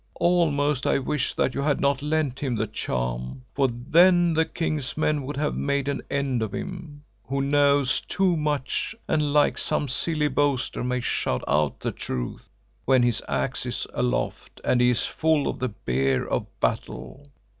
Almost I wish that you had not lent him the charm, for then the King's men would have made an end of him, who knows too much and like some silly boaster, may shout out the truth when his axe is aloft and he is full of the beer of battle.